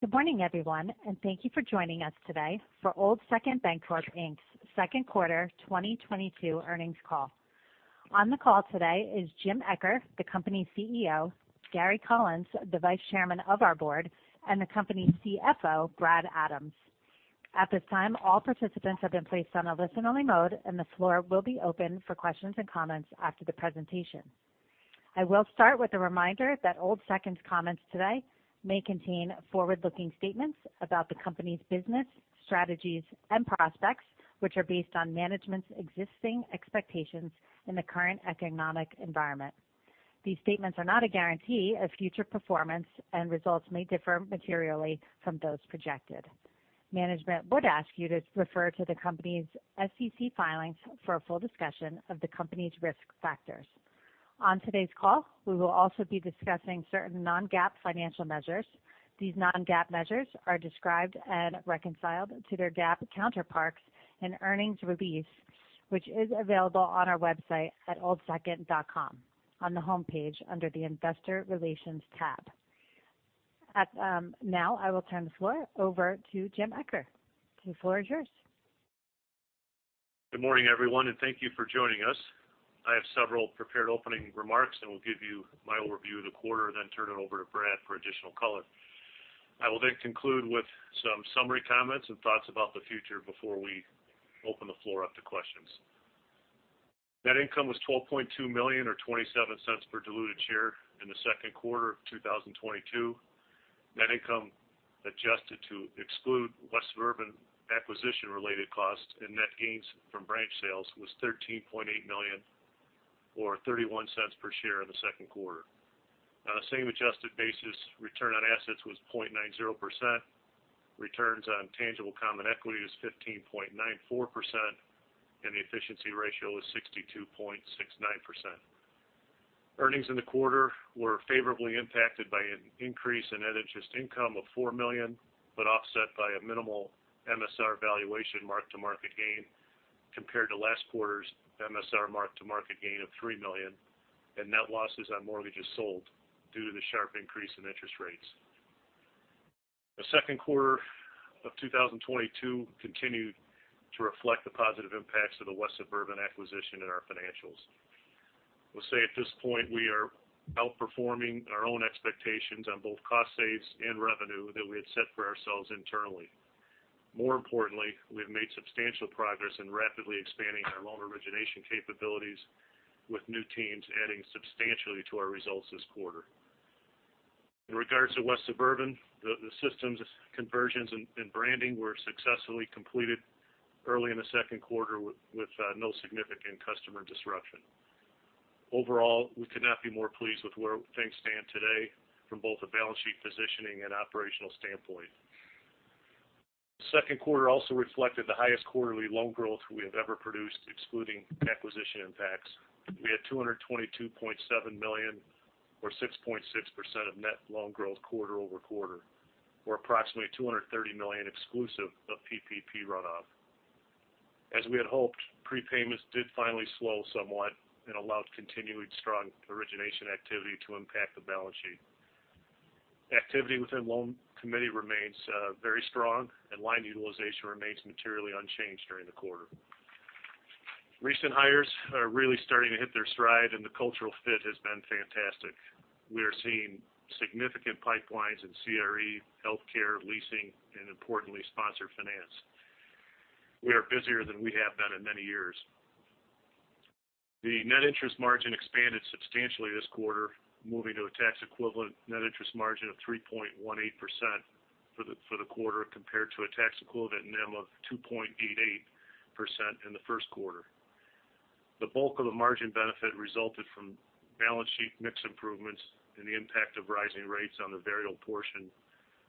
Good morning, everyone, and thank you for joining us today for Old Second Bancorp, Inc.'s second quarter 2022 earnings call. On the call today is Jim Eccher, the company's CEO, Gary Collins, the Vice Chairman of our board, and the company's CFO, Brad Adams. At this time, all participants have been placed on a listen-only mode, and the floor will be open for questions and comments after the presentation. I will start with a reminder that Old Second's comments today may contain forward-looking statements about the company's business, strategies, and prospects, which are based on management's existing expectations in the current economic environment. These statements are not a guarantee of future performance, and results may differ materially from those projected. Management would ask you to refer to the company's SEC filings for a full discussion of the company's risk factors. On today's call, we will also be discussing certain non-GAAP financial measures. These non-GAAP measures are described and reconciled to their GAAP counterparts in earnings release, which is available on our website at oldsecond.com on the homepage under the Investor Relations tab. Now I will turn the floor over to Jim Eccher. The floor is yours. Good morning, everyone, and thank you for joining us. I have several prepared opening remarks and will give you my overview of the quarter, then turn it over to Brad for additional color. I will then conclude with some summary comments and thoughts about the future before we open the floor up to questions. Net income was $12.2 million or $0.27 per diluted share in the second quarter of 2022. Net income adjusted to exclude West Suburban acquisition-related costs and net gains from branch sales was $13.8 million or $0.31 per share in the second quarter. On the same adjusted basis, return on assets was 0.90%. Returns on tangible common equity was 15.94%, and the efficiency ratio was 62.69%. Earnings in the quarter were favorably impacted by an increase in net interest income of $4 million, but offset by a minimal MSR valuation mark-to-market gain compared to last quarter's MSR mark-to-market gain of $3 million and net losses on mortgages sold due to the sharp increase in interest rates. The second quarter of 2022 continued to reflect the positive impacts of the West Suburban acquisition in our financials. We'll say at this point, we are outperforming our own expectations on both cost savings and revenue that we had set for ourselves internally. More importantly, we have made substantial progress in rapidly expanding our loan origination capabilities with new teams adding substantially to our results this quarter. In regards to West Suburban, the systems conversions and branding were successfully completed early in the second quarter with no significant customer disruption. Overall, we could not be more pleased with where things stand today from both a balance sheet positioning and operational standpoint. Second quarter also reflected the highest quarterly loan growth we have ever produced, excluding acquisition impacts. We had $222.7 million or 6.6% of net loan growth quarter-over-quarter, or approximately $230 million exclusive of PPP runoff. As we had hoped, prepayments did finally slow somewhat and allowed continued strong origination activity to impact the balance sheet. Activity within loan committee remains very strong and line utilization remains materially unchanged during the quarter. Recent hires are really starting to hit their stride and the cultural fit has been fantastic. We are seeing significant pipelines in CRE, healthcare, leasing, and importantly sponsored finance. We are busier than we have been in many years. The net interest margin expanded substantially this quarter, moving to a tax equivalent net interest margin of 3.18% for the quarter compared to a tax equivalent NIM of 2.88% in the first quarter. The bulk of the margin benefit resulted from balance sheet mix improvements and the impact of rising rates on the variable portion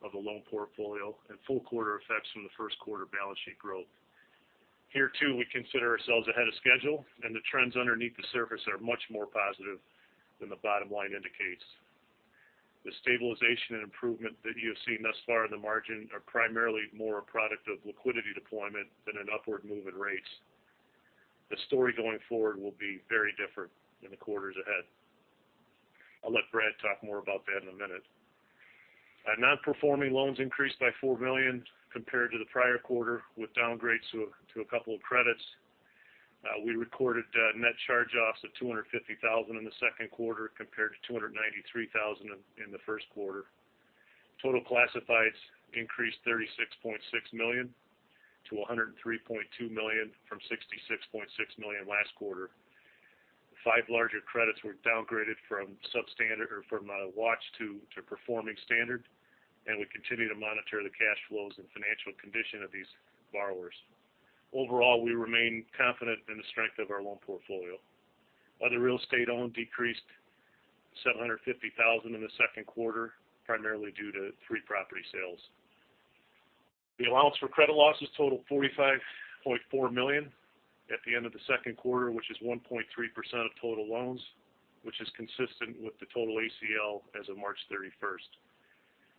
of the loan portfolio and full quarter effects from the first quarter balance sheet growth. Here, too, we consider ourselves ahead of schedule, and the trends underneath the surface are much more positive than the bottom line indicates. The stabilization and improvement that you have seen thus far in the margin are primarily more a product of liquidity deployment than an upward move in rates. The story going forward will be very different in the quarters ahead. I'll let Brad talk more about that in a minute. Our non-performing loans increased by $4 million compared to the prior quarter with downgrades to a couple of credits. We recorded net charge-offs of $250 thousand in the second quarter compared to $293 thousand in the first quarter. Total classifieds increased $36.6 million to $103.2 million from $66.6 million last quarter. five larger credits were downgraded from substandard or from watch to performing standard, and we continue to monitor the cash flows and financial condition of these borrowers. Overall, we remain confident in the strength of our loan portfolio. Other real estate owned decreased $750 thousand in the second quarter, primarily due to three property sales. The allowance for credit losses totaled $45.4 million at the end of the second quarter, which is 1.3% of total loans, which is consistent with the total ACL as of March 31.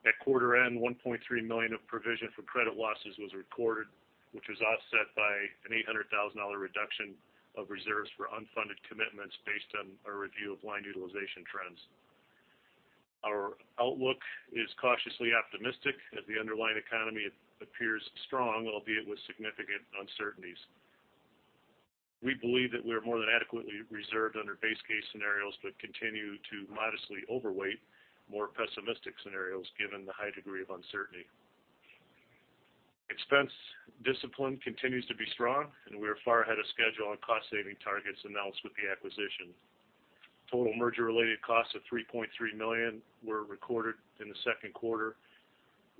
At quarter end, $1.3 million of provision for credit losses was recorded, which was offset by an $800,000 reduction of reserves for unfunded commitments based on a review of line utilization trends. Our outlook is cautiously optimistic as the underlying economy appears strong, albeit with significant uncertainties. We believe that we're more than adequately reserved under base case scenarios, but continue to modestly overweight more pessimistic scenarios given the high degree of uncertainty. Expense discipline continues to be strong, and we are far ahead of schedule on cost saving targets announced with the acquisition. Total merger related costs of $3.3 million were recorded in the second quarter,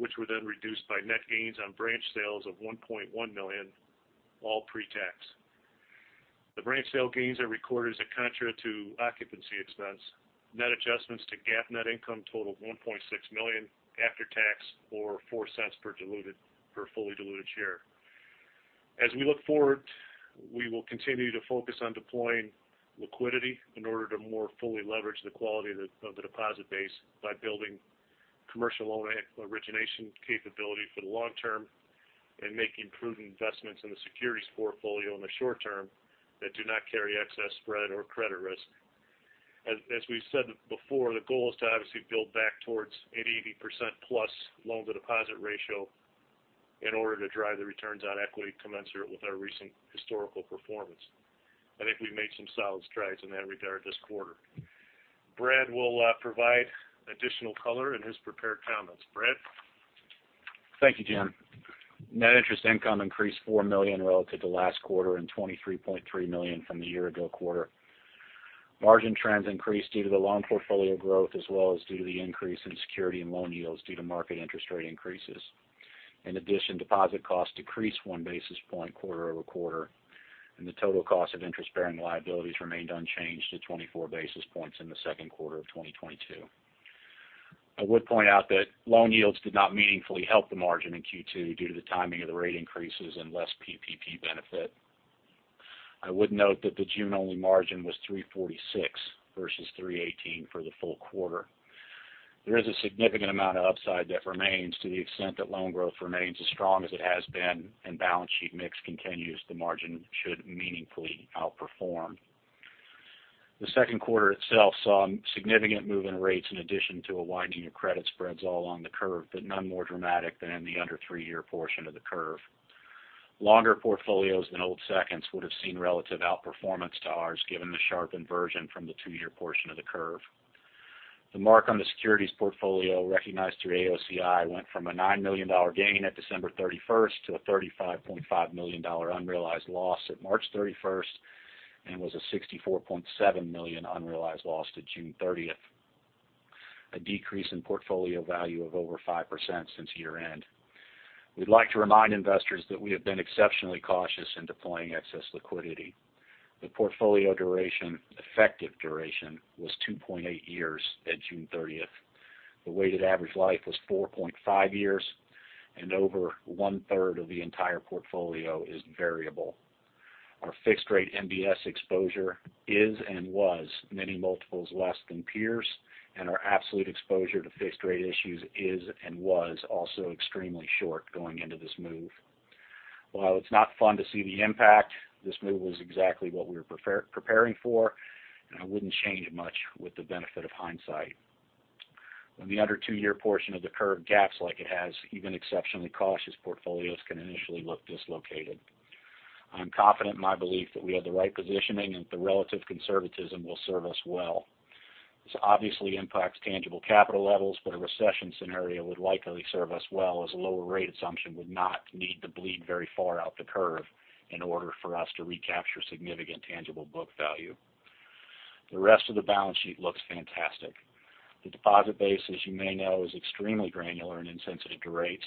which were then reduced by net gains on branch sales of $1.1 million, all pre-tax. The branch sale gains are recorded as a contra to occupancy expense. Net adjustments to GAAP net income totaled $1.6 million after tax, or $0.04 per fully diluted share. As we look forward, we will continue to focus on deploying liquidity in order to more fully leverage the quality of the deposit base by building commercial loan origination capability for the long term and making prudent investments in the securities portfolio in the short term that do not carry excess spread or credit risk. As we've said before, the goal is to obviously build back towards an 80%+ loan-to-deposit ratio in order to drive the returns on equity commensurate with our recent historical performance. I think we've made some solid strides in that regard this quarter. Brad will provide additional color in his prepared comments. Brad? Thank you, Jim. Net interest income increased $4 million relative to last quarter and $23.3 million from the year ago quarter. Margin trends increased due to the loan portfolio growth, as well as due to the increase in security and loan yields due to market interest rate increases. In addition, deposit costs decreased one basis point quarter-over-quarter, and the total cost of interest-bearing liabilities remained unchanged to 24 basis points in the second quarter of 2022. I would point out that loan yields did not meaningfully help the margin in Q2 due to the timing of the rate increases and less PPP benefit. I would note that the June-only margin was 3.46% versus 3.18% for the full quarter. There is a significant amount of upside that remains to the extent that loan growth remains as strong as it has been, and balance sheet mix continues, the margin should meaningfully outperform. The second quarter itself saw significant move in rates in addition to a widening of credit spreads all along the curve, but none more dramatic than in the under three year portion of the curve. Longer portfolios than Old Second's would've seen relative outperformance to ours given the sharp inversion from the two year portion of the curve. The mark on the securities portfolio recognized through AOCI went from a $9 million gain at 31st December to a $35.5 million unrealized loss at 31st March, and was a $64.7 million unrealized loss to 30th June a decrease in portfolio value of over 5% since year-end. We'd like to remind investors that we have been exceptionally cautious in deploying excess liquidity. The portfolio duration, effective duration, was 2.8 years at 30th June. The weighted average life was 4.5 years, and over one-third of the entire portfolio is variable. Our fixed rate MBS exposure is and was many multiples less than peers, and our absolute exposure to fixed rate issues is and was also extremely short going into this move. While it's not fun to see the impact, this move was exactly what we were preparing for, and I wouldn't change much with the benefit of hindsight. When the under two year portion of the curve gaps like it has, even exceptionally cautious portfolios can initially look dislocated. I'm confident in my belief that we have the right positioning, and that the relative conservatism will serve us well. This obviously impacts tangible capital levels, but a recession scenario would likely serve us well, as a lower rate assumption would not need to bleed very far out the curve in order for us to recapture significant tangible book value. The rest of the balance sheet looks fantastic. The deposit base, as you may know, is extremely granular and insensitive to rates.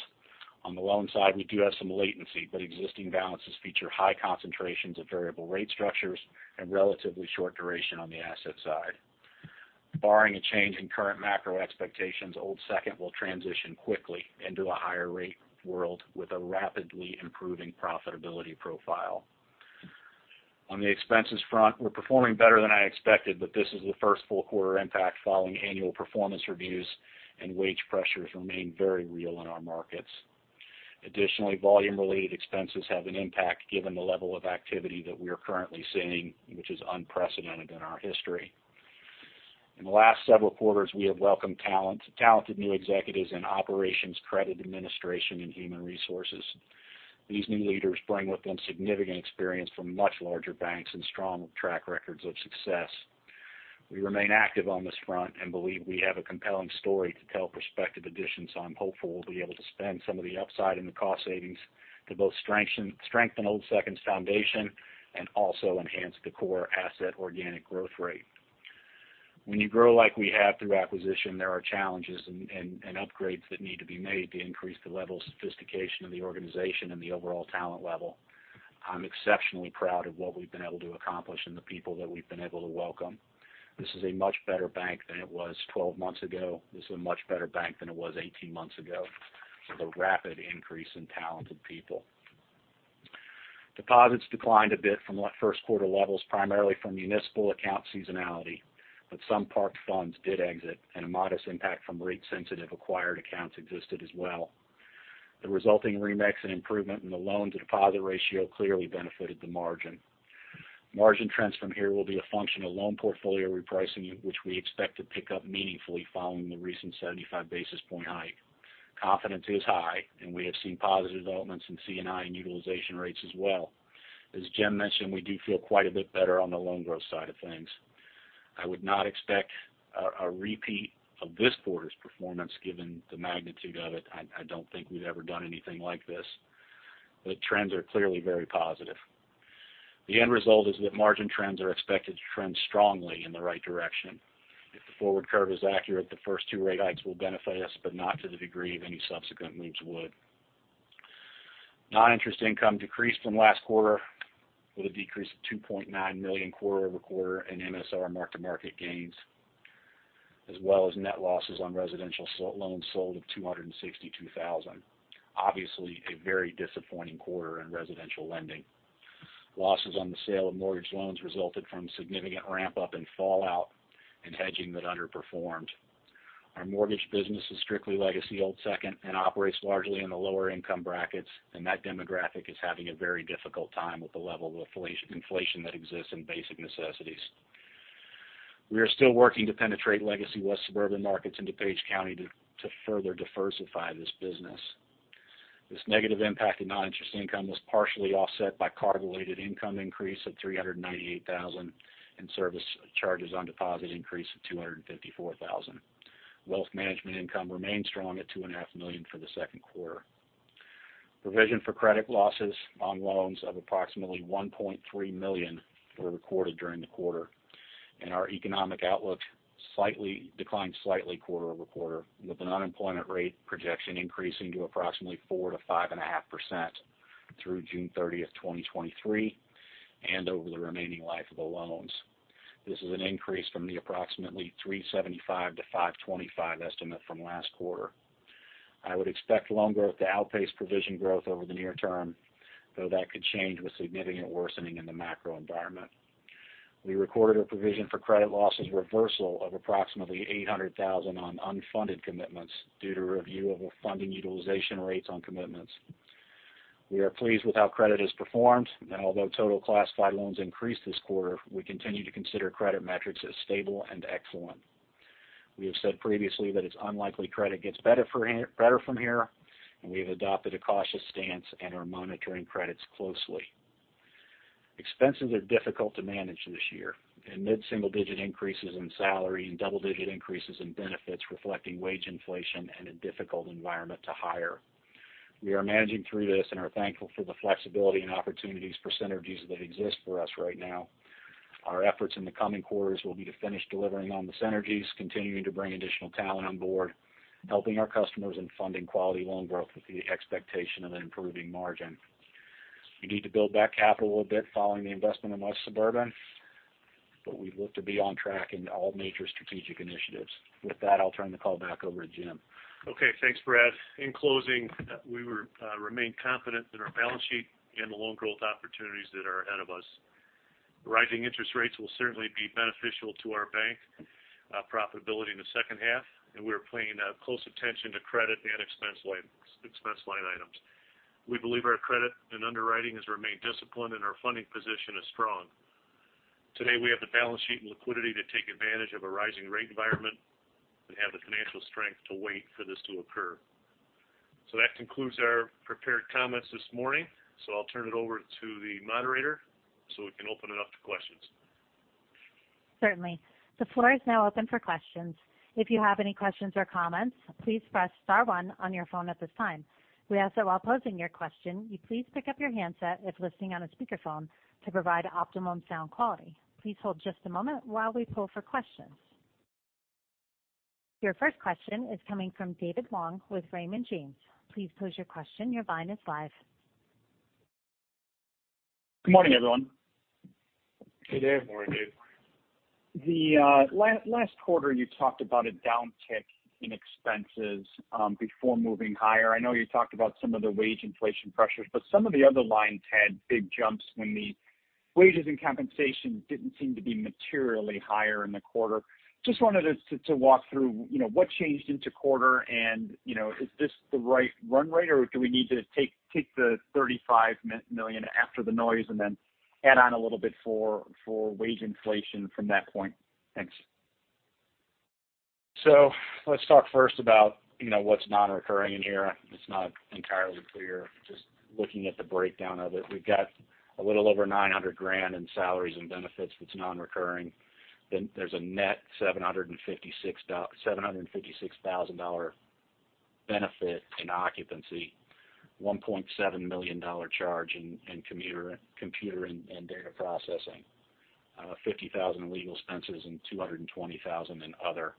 On the loan side, we do have some latency, but existing balances feature high concentrations of variable rate structures and relatively short duration on the asset side. Barring a change in current macro expectations, Old Second will transition quickly into a higher rate world with a rapidly improving profitability profile. On the expenses front, we're performing better than I expected, but this is the first full quarter impact following annual performance reviews, and wage pressures remain very real in our markets. Additionally, volume-related expenses have an impact given the level of activity that we are currently seeing, which is unprecedented in our history. In the last several quarters, we have welcomed talented new executives in operations, credit administration, and human resources. These new leaders bring with them significant experience from much larger banks and strong track records of success. We remain active on this front and believe we have a compelling story to tell prospective additions, so I'm hopeful we'll be able to spend some of the upside in the cost savings to both strengthen Old Second's foundation and also enhance the core asset organic growth rate. When you grow like we have through acquisition, there are challenges and upgrades that need to be made to increase the level of sophistication of the organization and the overall talent level. I'm exceptionally proud of what we've been able to accomplish and the people that we've been able to welcome. This is a much better bank than it was 12 months ago. This is a much better bank than it was 18 months ago, so the rapid increase in talented people. Deposits declined a bit from first quarter levels, primarily from municipal account seasonality. Some parked funds did exit, and a modest impact from rate-sensitive acquired accounts existed as well. The resulting remix and improvement in the loan-to-deposit ratio clearly benefited the margin. Margin trends from here will be a function of loan portfolio repricing, which we expect to pick up meaningfully following the recent 75 basis point hike. Confidence is high, and we have seen positive developments in C&I and utilization rates as well. As Jim mentioned, we do feel quite a bit better on the loan growth side of things. I would not expect a repeat of this quarter's performance given the magnitude of it. I don't think we've ever done anything like this. The trends are clearly very positive. The end result is that margin trends are expected to trend strongly in the right direction. If the forward curve is accurate, the first two rate hikes will benefit us, but not to the degree of any subsequent moves would. Noninterest income decreased from last quarter with a decrease of $2.9 million quarter-over-quarter in MSR mark-to-market gains, as well as net losses on residential sales loans sold of $262,000. Obviously, a very disappointing quarter in residential lending. Losses on the sale of mortgage loans resulted from significant ramp up in fallout and hedging that underperformed. Our mortgage business is strictly legacy Old Second and operates largely in the lower income brackets, and that demographic is having a very difficult time with the level of inflation that exists in basic necessities. We are still working to penetrate legacy West Suburban markets into DuPage County to further diversify this business. This negative impact in non-interest income was partially offset by card-related income increase of $398 thousand and service charges on deposit increase of $254 thousand. Wealth management income remained strong at $2.5 million for the second quarter. Provision for credit losses on loans of approximately $1.3 million were recorded during the quarter, and our economic outlook declined slightly quarter over quarter, with an unemployment rate projection increasing to approximately 4%-5.5% through 30th June 2023, and over the remaining life of the loans. This is an increase from the approximately 3.75%-5.25% estimate from last quarter. I would expect loan growth to outpace provision growth over the near term, though that could change with significant worsening in the macro environment. We recorded a provision for credit losses reversal of approximately $800,000 on unfunded commitments due to review of funding utilization rates on commitments. We are pleased with how credit has performed, and although total classified loans increased this quarter, we continue to consider credit metrics as stable and excellent. We have said previously that it's unlikely credit gets better from here, and we have adopted a cautious stance and are monitoring credits closely. Expenses are difficult to manage this year, and mid-single-digit increases in salary and double-digit increases in benefits reflecting wage inflation and a difficult environment to hire. We are managing through this and are thankful for the flexibility and opportunities for synergies that exist for us right now. Our efforts in the coming quarters will be to finish delivering on the synergies, continuing to bring additional talent on board, helping our customers in funding quality loan growth with the expectation of an improving margin. We need to build back capital a bit following the investment in West Suburban, but we look to be on track in all major strategic initiatives. With that, I'll turn the call back over to Jim. Okay, thanks, Brad. In closing, we remain confident in our balance sheet and the loan growth opportunities that are ahead of us. Rising interest rates will certainly be beneficial to our bank profitability in the second half, and we're paying close attention to credit and expense line items. We believe our credit and underwriting has remained disciplined and our funding position is strong. Today, we have the balance sheet and liquidity to take advantage of a rising rate environment and have the financial strength to wait for this to occur. That concludes our prepared comments this morning. I'll turn it over to the moderator, so we can open it up to questions. Certainly. The floor is now open for questions. If you have any questions or comments, please press star one on your phone at this time. We ask that while posing your question, you please pick up your handset if listening on a speakerphone to provide optimum sound quality. Please hold just a moment while we pull for questions. Your first question is coming from David Long with Raymond James. Please pose your question. Your line is live. Good morning, everyone. Good day. Morning, Dave. Last quarter, you talked about a downtick in expenses before moving higher. I know you talked about some of the wage inflation pressures, but some of the other lines had big jumps when the wages and compensation didn't seem to be materially higher in the quarter. Just wanted to walk through, you know, what changed in the quarter? You know, is this the right run rate, or do we need to take the $35 million after the noise and then add on a little bit for wage inflation from that point? Thanks. Let's talk first about, you know, what's non-recurring in here. It's not entirely clear. Just looking at the breakdown of it, we've got a little over $900,000 in salaries and benefits that's non-recurring. Then there's a net $756,000 benefit in occupancy, $1.7 million charge in computer and data processing, $50,000 in legal expenses and $220,000 in other.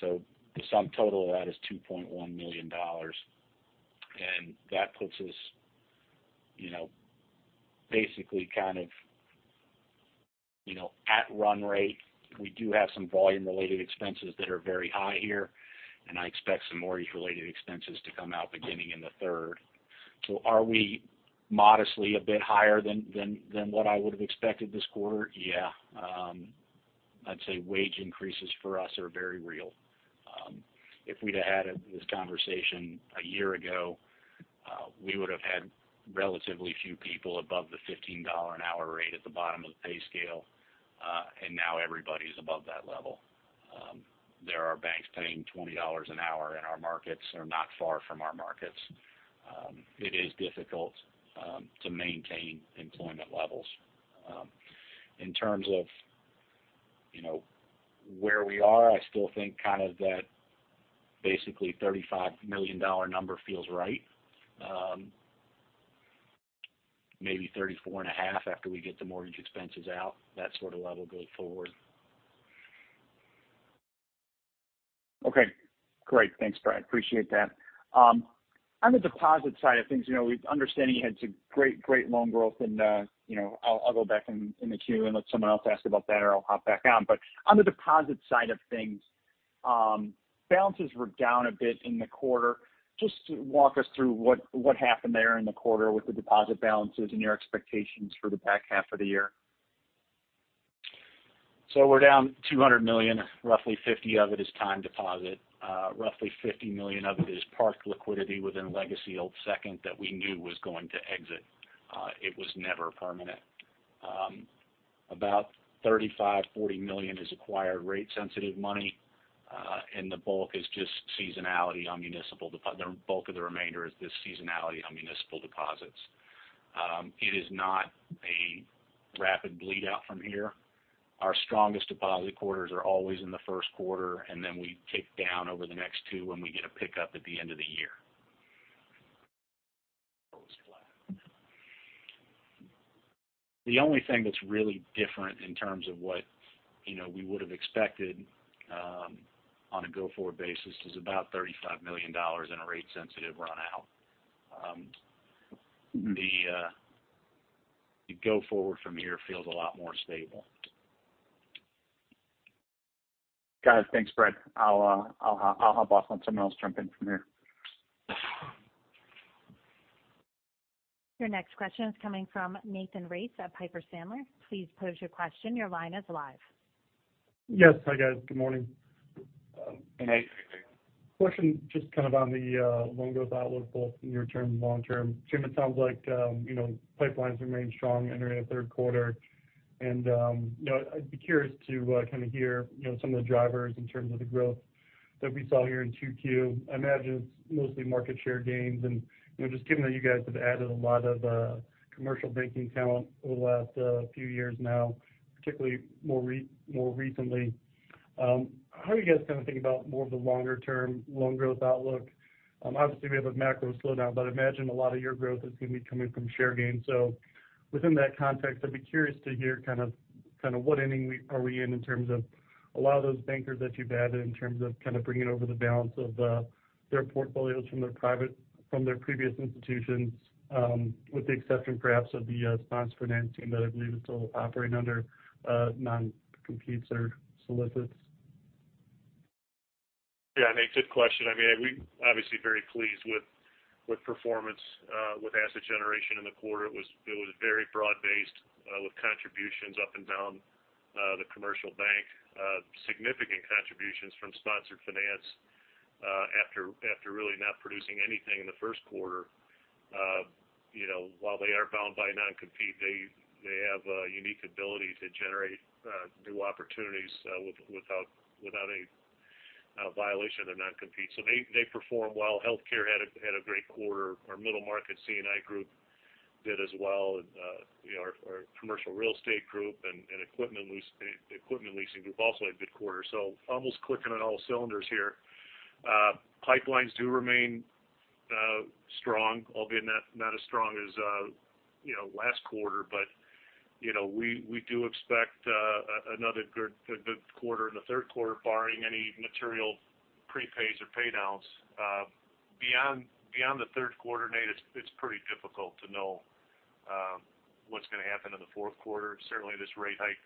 The sum total of that is $2.1 million. That puts us, you know, basically kind of, you know, at run rate. We do have some volume-related expenses that are very high here, and I expect some mortgage-related expenses to come out beginning in the third. Are we modestly a bit higher than what I would've expected this quarter? Yeah. I'd say wage increases for us are very real. If we'd have had this conversation a year ago, we would have had relatively few people above the $15 an hour rate at the bottom of the pay scale, and now everybody's above that level. There are banks paying $20 an hour in our markets or not far from our markets. It is difficult to maintain employment levels. In terms of, you know, where we are, I still think kind of that basically $35 million number feels right. Maybe $34.5 million after we get the mortgage expenses out, that sort of level going forward. Okay, great. Thanks, Brad. Appreciate that. On the deposit side of things, you know, we understand you had some great loan growth and, you know, I'll go back in the queue and let someone else ask about that, or I'll hop back on. On the deposit side of things, balances were down a bit in the quarter. Just walk us through what happened there in the quarter with the deposit balances and your expectations for the back half of the year. We're down $200 million. Roughly 50 of it is time deposit. Roughly $50 million of it is parked liquidity within legacy Old Second that we knew was going to exit. It was never permanent. About $35-$40 million is acquired rate-sensitive money, and the bulk of the remainder is just seasonality on municipal deposits. It is not a rapid bleed out from here. Our strongest deposit quarters are always in the first quarter, and then we tick down over the next two, and we get a pickup at the end of the year. The only thing that's really different in terms of what, you know, we would have expected on a go-forward basis is about $35 million in a rate-sensitive runoff. The go forward from here feels a lot more stable. Got it. Thanks, Brad. I'll hop off. Let someone else jump in from here. Your next question is coming from Nathan Race at Piper Sandler. Please pose your question. Your line is live. Yes. Hi, guys. Good morning. Hey, Nate. Question just kind of on the loan growth outlook, both near-term and long-term. Jim, it sounds like you know, pipelines remain strong entering the third quarter. You know, I'd be curious to kind of hear, you know, some of the drivers in terms of the growth that we saw here in Q2. I imagine it's mostly market share gains. You know, just given that you guys have added a lot of commercial banking talent over the last few years now, particularly more recently, how are you guys kind of thinking about more of the long-term loan growth outlook? Obviously, we have a macro slowdown, but I imagine a lot of your growth is going to be coming from share gains. Within that context, I'd be curious to hear kind of what inning we are in terms of a lot of those bankers that you've added in terms of kind of bringing over the balance of their portfolios from their previous institutions, with the exception perhaps of the sponsored finance team that I believe is still operating under non-competes or solicits. Yeah. Nate, good question. I mean, we obviously very pleased with performance, with asset generation in the quarter. It was very broad-based, with contributions up and down the commercial bank, significant contributions from sponsored finance, after really not producing anything in the first quarter. You know, while they are bound by non-compete, they have a unique ability to generate new opportunities without a violation of non-compete. They performed well. Healthcare had a great quarter. Our middle market C&I group did as well. You know, our commercial real estate group and equipment leasing group also had a good quarter. Almost firing on all cylinders here. Pipelines do remain strong, albeit not as strong as last quarter. You know, we do expect another good quarter in the third quarter, barring any material prepays or pay downs. Beyond the third quarter, Nate, it's pretty difficult to know what's going to happen in the fourth quarter. Certainly, this rate hike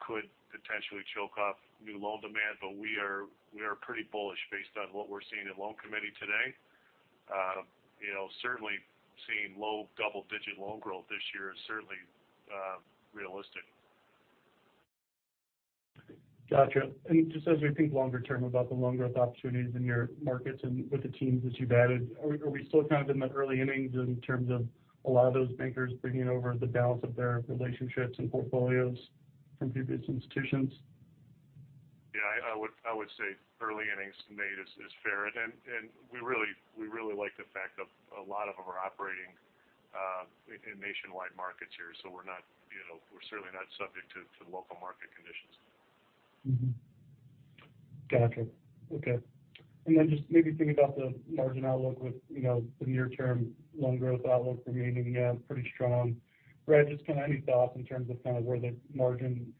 could potentially choke off new loan demand, but we are pretty bullish based on what we're seeing in loan committee today. You know, certainly seeing low double-digit loan growth this year is certainly realistic. Gotcha. Just as we think longer term about the loan growth opportunities in your markets and with the teams that you've added, are we still kind of in the early innings in terms of a lot of those bankers bringing over the balance of their relationships and portfolios from previous institutions? Yeah, I would say early innings, Nate, is fair. We really like the fact that a lot of them are operating in nationwide markets here. You know, we're certainly not subject to local market conditions. Gotcha. Okay. Just maybe thinking about the margin outlook with, you know, the near term loan growth outlook remaining pretty strong. Brad, just kind of any thoughts in terms of kind of where the margin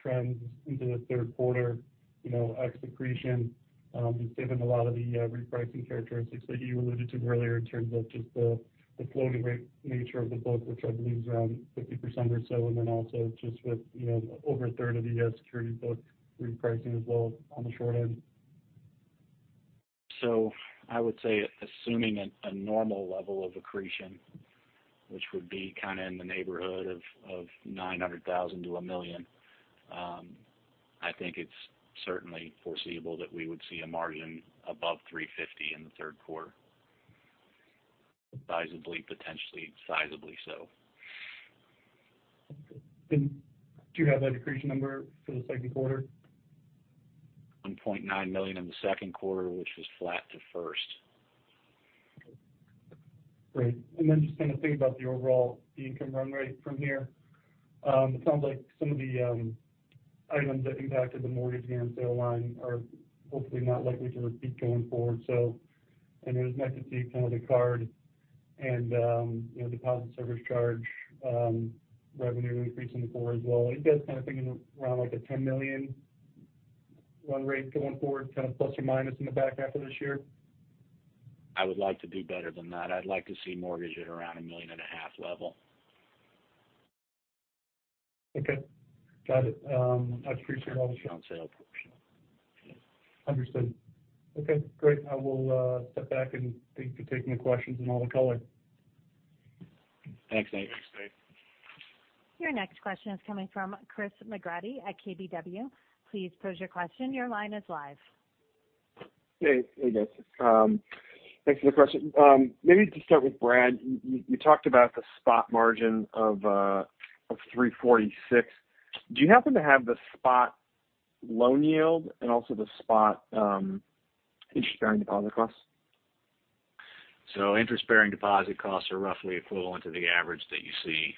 trends into the third quarter, you know, ex accretion, just given a lot of the repricing characteristics that you alluded to earlier in terms of just the floating rate nature of the book, which I believe is around 50% or so. Just with, you know, over a third of the securities book repricing as well on the short end. I would say assuming a normal level of accretion, which would be kind of in the neighborhood of $900,000-$1 million, I think it's certainly foreseeable that we would see a margin above 3.50% in the third quarter. Visibly, potentially, sizably so. Okay. Do you have that accretion number for the second quarter? $1.9 million in the second quarter, which was flat to first. Great. Then just kind of thinking about the overall income run rate from here. It sounds like some of the items that impacted the mortgage gain sale line are hopefully not likely to repeat going forward. There's net revenue from the card and, you know, deposit service charge revenue increase in the quarter as well. Are you guys kind of thinking around like a $10 million run rate going forward, kind of plus or minus in the back half of this year? I would like to do better than that. I'd like to see mortgage at around $1.5 million level. Okay. Got it. I appreciate all this. On sale portion. Understood. Okay, great. I will step back and thank you for taking the questions and all the color. Thanks, Nate. Your next question is coming from Christopher McGratty at KBW. Please pose your question. Your line is live. Hey. Hey, guys. Thanks for the question. Maybe to start with Brad, you talked about the spot margin of 3.46%. Do you happen to have the spot loan yield and also the spot interest-bearing deposit costs? Interest bearing deposit costs are roughly equivalent to the average that you see.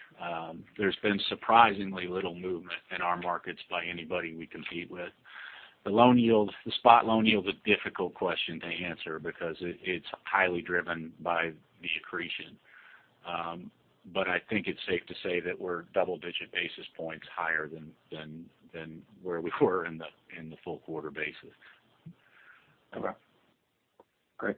There's been surprisingly little movement in our markets by anybody we compete with. The spot loan yield is a difficult question to answer because it's highly driven by the accretion. But I think it's safe to say that we're double-digit basis points higher than where we were in the full quarter basis. Okay, great.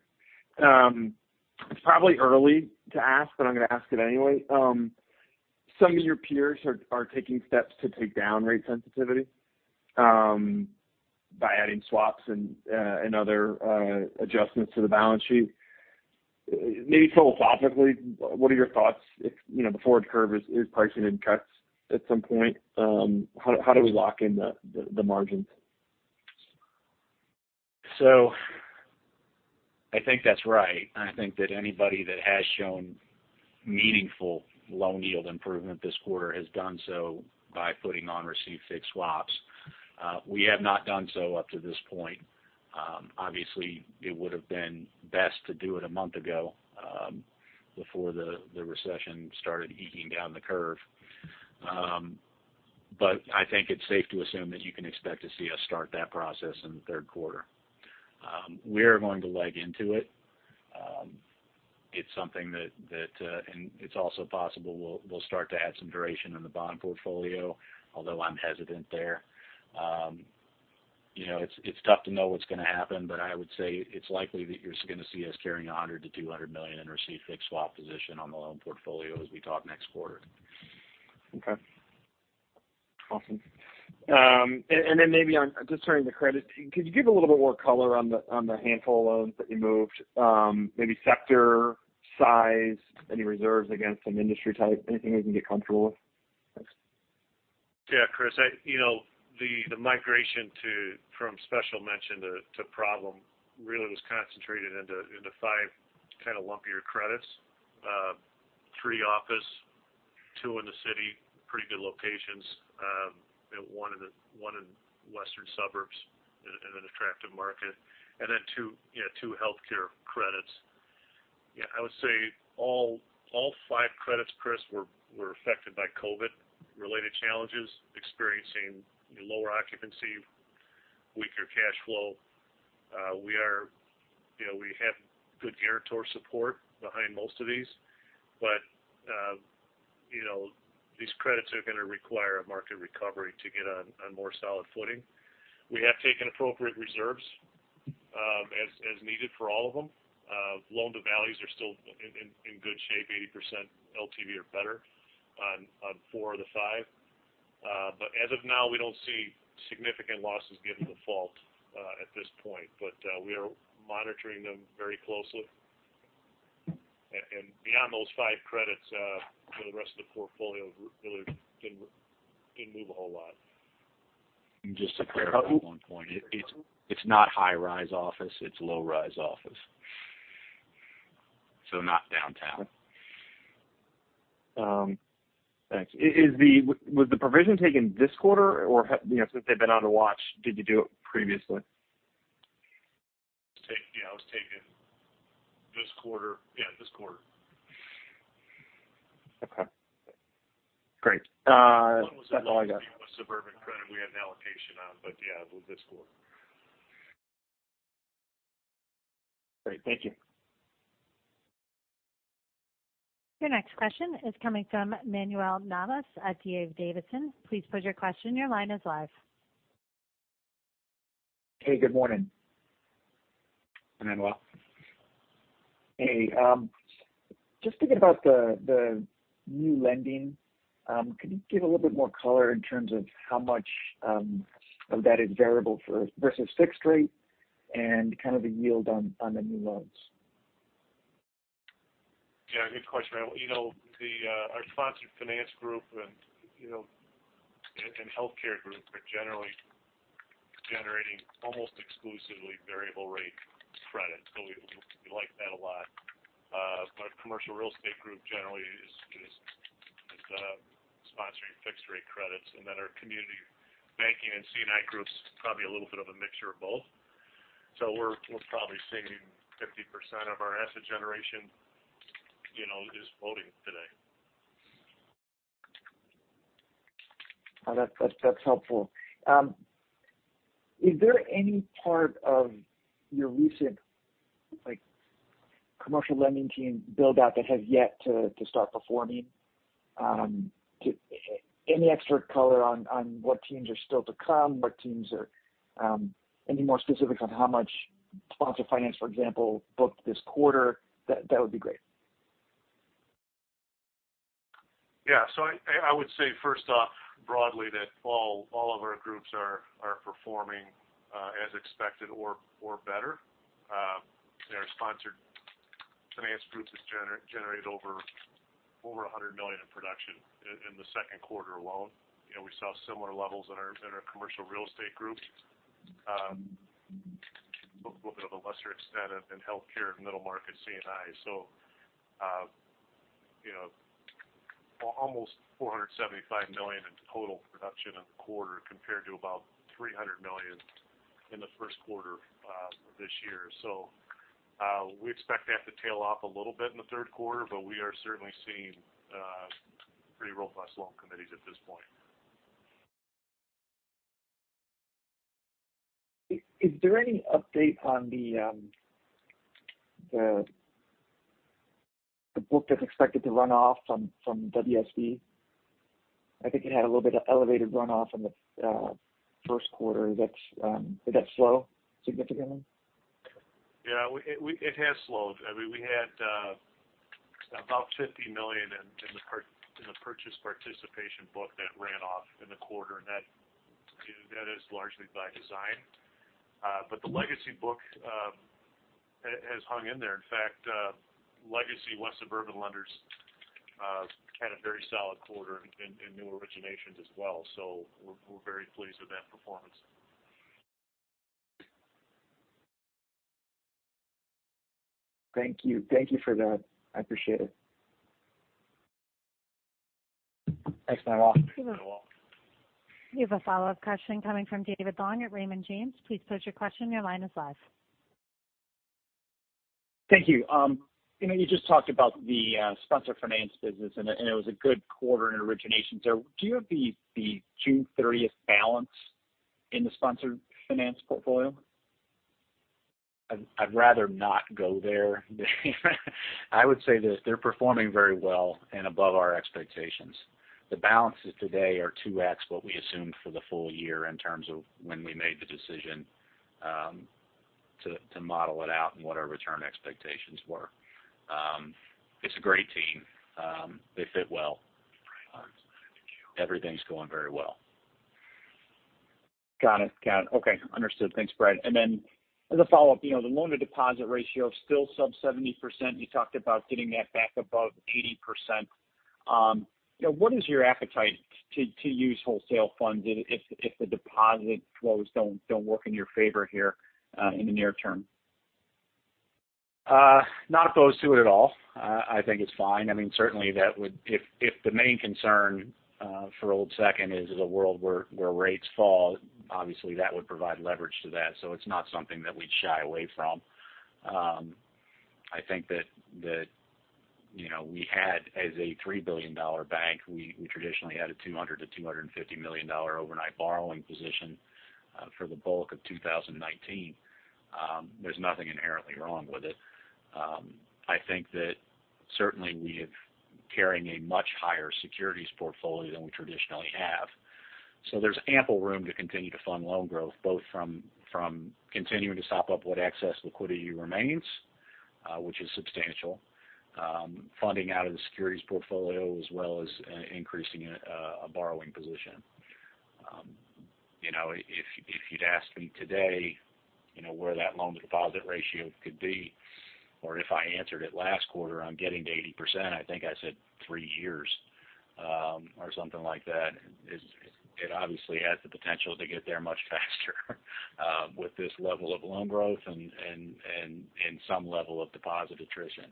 It's probably early to ask, but I'm gonna ask it anyway. Some of your peers are taking steps to take down rate sensitivity by adding swaps and other adjustments to the balance sheet. Maybe philosophically, what are your thoughts if, you know, the forward curve is pricing in cuts at some point, how do we lock in the margins? I think that's right. I think that anybody that has shown meaningful loan yield improvement this quarter has done so by putting on received fixed swaps. We have not done so up to this point. Obviously, it would have been best to do it a month ago, before the recession started sinking down the curve. But I think it's safe to assume that you can expect to see us start that process in the third quarter. We are going to leg into it. It's something that and it's also possible we'll start to add some duration in the bond portfolio, although I'm hesitant there. You know, it's tough to know what's gonna happen, but I would say it's likely that you're gonna see us carrying $100 million-$200 million in received fixed swap position on the loan portfolio as we talk next quarter. Okay. Awesome. Maybe on just turning to credit, could you give a little bit more color on the handful of loans that you moved? Maybe sector, size, any reserves against them, industry type, anything you can get comfortable with? Thanks. Yeah, Chris, you know, the migration from special mention to problem really was concentrated into five kind of lumpier credits. Three office, two in the city, pretty good locations, and one in western suburbs in an attractive market, and then two healthcare credits. Yeah, I would say all five credits, Chris, were affected by COVID-related challenges, experiencing lower occupancy, weaker cash flow. You know, we have good guarantor support behind most of these. You know, these credits are gonna require a market recovery to get on more solid footing. We have taken appropriate reserves as needed for all of them. Loan to values are still in good shape, 80% LTV or better on four of the five. As of now, we don't see significant losses given default at this point. We are monitoring them very closely. Beyond those five credits, you know, the rest of the portfolio really didn't move a whole lot. Just to clarify one point, it's not high rise office, it's low rise office. Not downtown. Thanks. Was the provision taken this quarter or, you know, since they've been on the watch, did you do it previously? Yeah, it was taken this quarter. Yeah, this quarter. Okay, great. That's all I got. One was a loan to West Suburban Bancorp. We had an allowance on. Yeah, it was this quarter. Great. Thank you. Your next question is coming from Manuel Navas at D.A. Davidson. Please pose your question. Your line is live. Hey, good morning. Manuel. Hey, just thinking about the new lending. Can you give a little bit more color in terms of how much of that is variable versus fixed rate and kind of the yield on the new loans? Yeah, good question. You know, our sponsored finance group and healthcare group are generally generating almost exclusively variable rate credit. We like that a lot. Commercial real estate group generally is sponsoring fixed rate credits. Our community banking and C&I groups probably a little bit of a mixture of both. We're probably seeing 50% of our asset generation, you know, is floating today. That's helpful. Is there any part of your recent, like, commercial lending team build out that has yet to start performing? Any extra color on what teams are still to come, what teams are, any more specifics on how much sponsor finance, for example, booked this quarter? That would be great. Yeah. I would say first off broadly that all of our groups are performing as expected or better. Our sponsored finance groups has generated over $100 million in production in the second quarter alone. You know, we saw similar levels in our commercial real estate group, a little bit of a lesser extent in healthcare and middle market C&I. You know, almost $475 million in total production in the quarter, compared to about $300 million in the first quarter this year. We expect that to tail off a little bit in the third quarter, but we are certainly seeing pretty robust loan committees at this point. Is there any update on the book that's expected to run off from WSB? I think it had a little bit of elevated runoff in the first quarter. Did that slow significantly? Yeah, it has slowed. I mean, we had about $50 million in the purchase participation book that ran off in the quarter. That is largely by design. The legacy book has hung in there. In fact, legacy West Suburban lenders had a very solid quarter in new originations as well. We're very pleased with that performance. Thank you. Thank you for that. I appreciate it. Thanks, Manuel. You're welcome. We have a follow-up question coming from David Long at Raymond James. Please pose your question. Your line is live. Thank you. You know, you just talked about the sponsor finance business, and it was a good quarter in originations there. Do you have the June thirtieth balance in the sponsored finance portfolio? I'd rather not go there. I would say this, they're performing very well and above our expectations. The balances today are 2x what we assumed for the full year in terms of when we made the decision to model it out and what our return expectations were. It's a great team. They fit well. Great. Thank you. Everything's going very well. Got it. Okay. Understood. Thanks, Brad. As a follow-up, you know, the loan to deposit ratio is still sub 70%. You talked about getting that back above 80%. You know, what is your appetite to use wholesale funding if the deposit flows don't work in your favor here, in the near term? Not opposed to it at all. I think it's fine. I mean, certainly that would if the main concern for Old Second is a world where rates fall, obviously that would provide leverage to that. It's not something that we'd shy away from. I think that, you know, we had as a $3 billion bank, we traditionally had a $200 million-$250 million overnight borrowing position for the bulk of 2019. There's nothing inherently wrong with it. I think that certainly we have carrying a much higher securities portfolio than we traditionally have. There's ample room to continue to fund loan growth, both from continuing to sop up what excess liquidity remains, which is substantial, funding out of the securities portfolio as well as increasing a borrowing position. You know, if you'd ask me today, you know, where that loan to deposit ratio could be, or if I answered it last quarter on getting to 80%, I think I said three years or something like that. It obviously has the potential to get there much faster with this level of loan growth and some level of deposit attrition.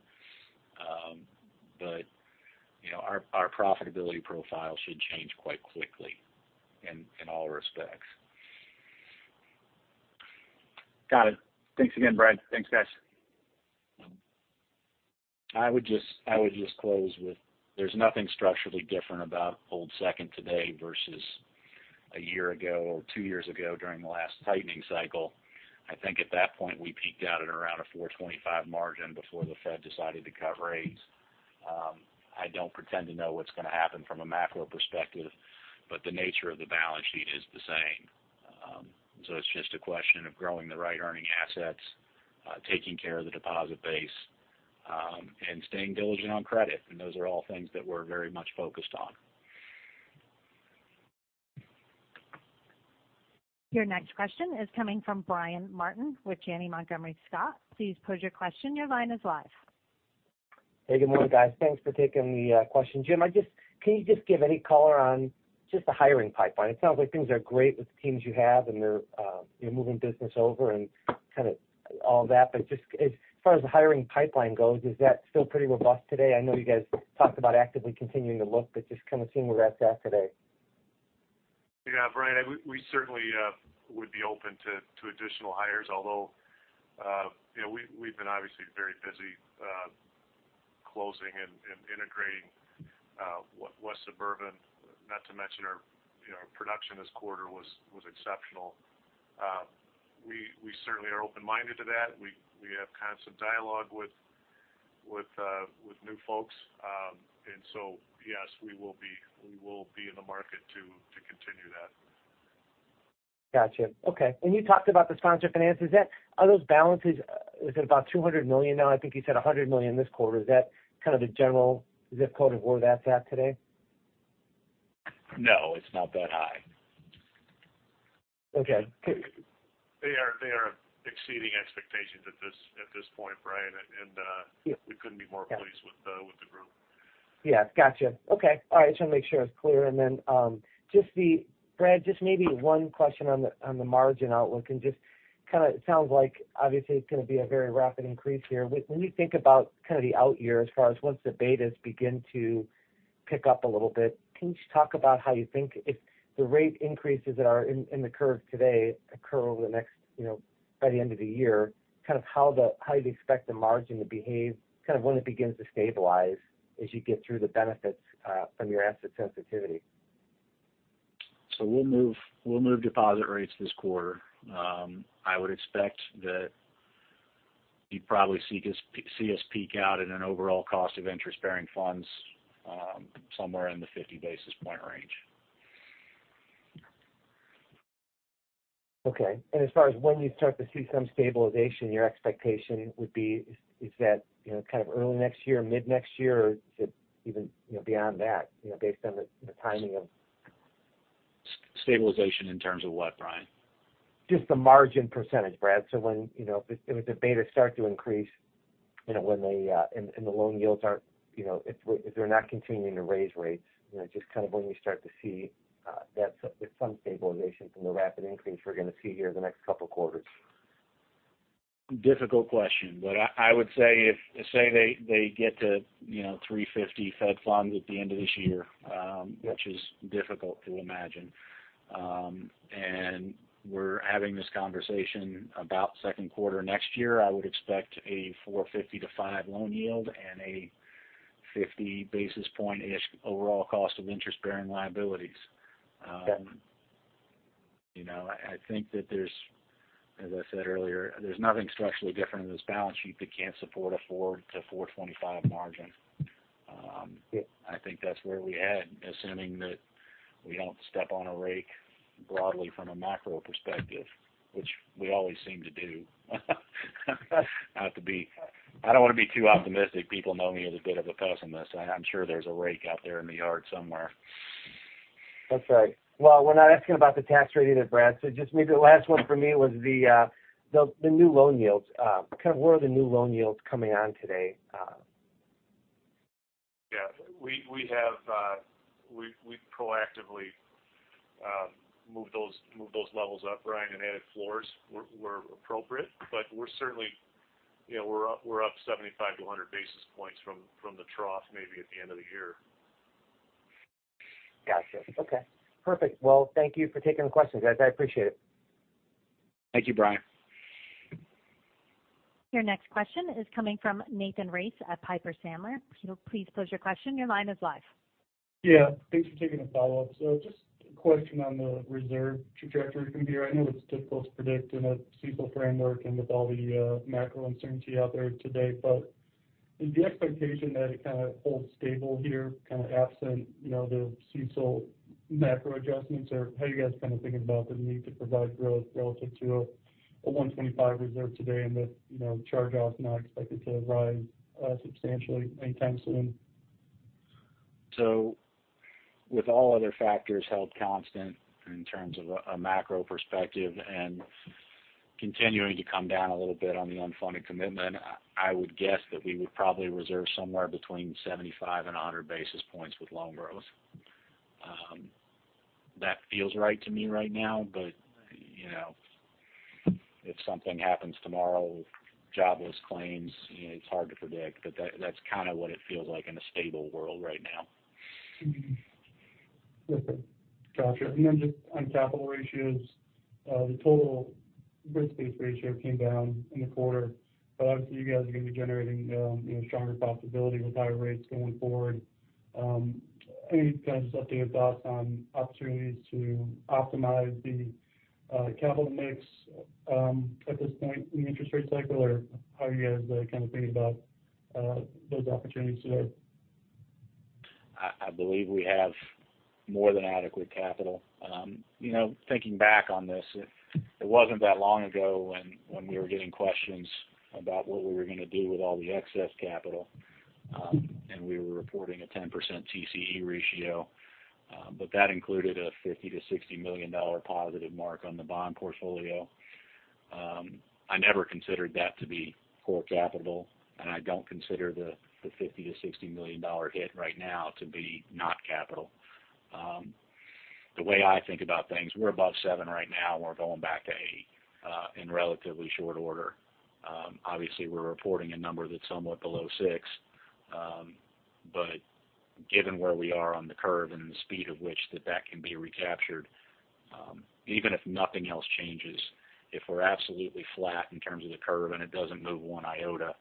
You know, our profitability profile should change quite quickly in all respects. Got it. Thanks again, Brad. Thanks, guys. I would just close with there's nothing structurally different about Old Second today versus a year ago or two years ago during the last tightening cycle. I think at that point, we peaked out at around a 4.25% margin before the Fed decided to cut rates. I don't pretend to know what's going to happen from a macro perspective, but the nature of the balance sheet is the same. It's just a question of growing the right earning assets, taking care of the deposit base, and staying diligent on credit. Those are all things that we're very much focused on. Your next question is coming from Brian Martin with Janney Montgomery Scott. Please pose your question. Your line is live. Hey, good morning, guys. Thanks for taking the question. Jim, can you just give any color on just the hiring pipeline? It sounds like things are great with the teams you have, and you're moving business over and kind of all that. Just as far as the hiring pipeline goes, is that still pretty robust today? I know you guys talked about actively continuing to look, but just kind of seeing where that's at today. Yeah, Brian, we certainly would be open to additional hires, although, you know, we've been obviously very busy closing and integrating West Suburban, not to mention our, you know, production this quarter was exceptional. We certainly are open-minded to that. We have constant dialogue with new folks. Yes, we will be in the market to continue that. Gotcha. Okay. When you talked about the sponsor finance, are those balances, is it about $200 million now? I think you said $100 million this quarter. Is that kind of the general zip code of where that's at today? No, it's not that high. Okay. They are exceeding expectations at this point, Brian. Yeah. We couldn't be more pleased with the group. Yes. Gotcha. Okay. All right. Just want to make sure I was clear. Then, Brad, just maybe one question on the margin outlook and just kind of it sounds like obviously it's going to be a very rapid increase here. When you think about kind of the out years as far as once the betas begin to pick up a little bit, can you just talk about how you think if the rate increases that are in the curve today occur over the next, you know, by the end of the year, kind of how you expect the margin to behave kind of when it begins to stabilize as you get through the benefits from your asset sensitivity? We'll move deposit rates this quarter. I would expect that you'd probably see us peak out at an overall cost of interest-bearing funds, somewhere in the 50 basis point range. Okay. As far as when you start to see some stabilization, your expectation would be is that, you know, kind of early next year, mid next year? Or is it even, you know, beyond that, you know, based on the timing of Stabilization in terms of what, Brian? Just the margin percentage, Brad. When, you know, if the betas start to increase, you know, when they and the loan yields aren't, you know, if they're not continuing to raise rates, you know, just kind of when you start to see that some stabilization from the rapid increase we're going to see here the next couple quarters. Difficult question. I would say if they get to, you know, 3.50% Fed funds at the end of this year, which is difficult to imagine, and we're having this conversation about second quarter next year, I would expect a 4.50%-5% loan yield and a 50 basis points overall cost of interest-bearing liabilities. Okay. You know, I think that there's, as I said earlier, there's nothing structurally different in this balance sheet that can't support a 4%-4.25% margin. Yeah. I think that's where we add, assuming that we don't step on a rake broadly from a macro perspective, which we always seem to do. I don't want to be too optimistic. People know me as a bit of a pessimist. I'm sure there's a rake out there in the yard somewhere. That's right. Well, we're not asking about the tax rate either, Brad. Just maybe the last one for me was the new loan yields. Kind of where are the new loan yields coming on today? Yeah. We've proactively moved those levels up, Brian, and added floors where appropriate. We're certainly, you know, we're up 75-100 basis points from the trough maybe at the end of the year. Gotcha. Okay. Perfect. Well, thank you for taking the questions, guys. I appreciate it. Thank you, Brian. Your next question is coming from Nathan Race at Piper Sandler. Please pose your question. Your line is live. Yeah. Thanks for taking the follow-up. Just a question on the reserve trajectory from here. I know it's difficult to predict in a CECL framework and with all the macro uncertainty out there today. Is the expectation that it kind of holds stable here, kind of absent you know the CECL macro adjustments? Or how are you guys kind of thinking about the need to provide growth relative to a 1.25 reserve today and the you know charge-offs not expected to rise substantially anytime soon? With all other factors held constant in terms of a macro perspective and continuing to come down a little bit on the unfunded commitment, I would guess that we would probably reserve somewhere between 75 and 100 basis points with loan growth. That feels right to me right now. You know, if something happens tomorrow, jobless claims, you know, it's hard to predict. That's kind of what it feels like in a stable world right now. Gotcha. Just on capital ratios, the total risk-based ratio came down in the quarter, but obviously you guys are going to be generating, you know, stronger profitability with higher rates going forward. Any kind of just updated thoughts on opportunities to optimize the capital mix at this point in the interest rate cycle? How are you guys kind of thinking about those opportunities today? I believe we have more than adequate capital. You know, thinking back on this, it wasn't that long ago when we were getting questions about what we were gonna do with all the excess capital, and we were reporting a 10% TCE ratio, but that included a $50-$60 million positive mark on the bond portfolio. I never considered that to be core capital, and I don't consider the $50-$60 million hit right now to be not capital. The way I think about things, we're above 7% right now, and we're going back to 8%, in relatively short order. Obviously, we're reporting a number that's somewhat below 6%. Given where we are on the curve and the speed at which that can be recaptured, even if nothing else changes, if we're absolutely flat in terms of the curve, and it doesn't move one iota,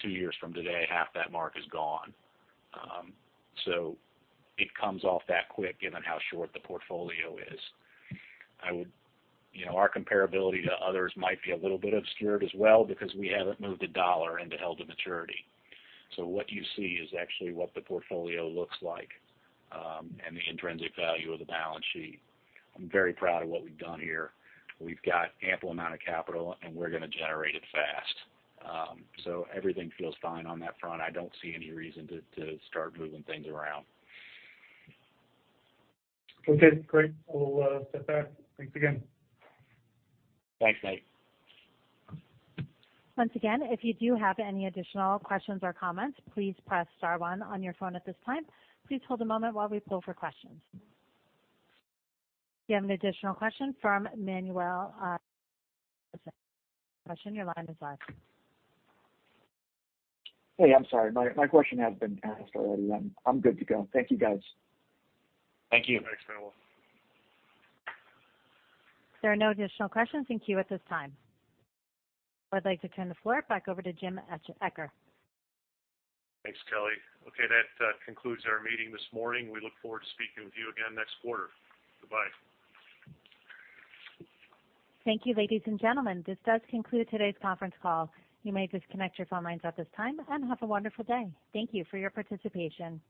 two years from today, half that mark is gone. It comes off that quick given how short the portfolio is. You know, our comparability to others might be a little bit obscured as well because we haven't moved a dollar into held to maturity. What you see is actually what the portfolio looks like, and the intrinsic value of the balance sheet. I'm very proud of what we've done here. We've got ample amount of capital, and we're gonna generate it fast. Everything feels fine on that front. I don't see any reason to start moving things around. Okay, great. We'll sit back. Thanks again. Thanks, Mike. Once again, if you do have any additional questions or comments, please press star one on your phone at this time. Please hold a moment while we pull for questions. We have an additional question from Manuel, question. Your line is live. Hey, I'm sorry. My question has been asked already. I'm good to go. Thank you, guys. Thank you. Thanks, Manuel. There are no additional questions in queue at this time. I'd like to turn the floor back over to Jim Eccher. Thanks, Kelly. Okay, that concludes our meeting this morning. We look forward to speaking with you again next quarter. Goodbye. Thank you, ladies and gentlemen. This does conclude today's conference call. You may disconnect your phone lines at this time, and have a wonderful day. Thank you for your participation.